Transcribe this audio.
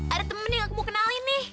ada temen yang aku mau kenalin nih